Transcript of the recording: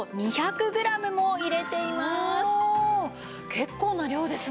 結構な量ですね！